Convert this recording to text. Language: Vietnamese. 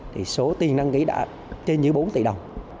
tuy nhiên số tiền đăng ký đã trên như bốn tỷ đồng